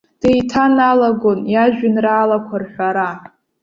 Деиҭаналагон иажәеинраалақәа рҳәара.